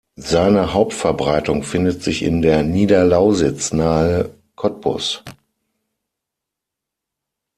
Seine Hauptverbreitung findet sich in der Niederlausitz nahe Cottbus.